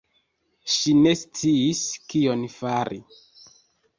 Ŝi ne sciis kion fari.